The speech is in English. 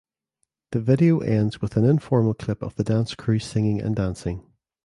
The video ends with an informal clip of the dance crew singing and dancing.